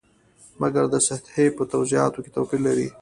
مګر د سطحې په توضیحاتو کې توپیر لري.